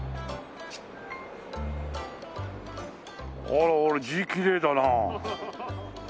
あら俺字きれいだな。